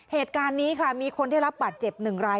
เหตุการณ์นี้ค่ะมีคนที่รับบัตรเจ็บหนึ่งราย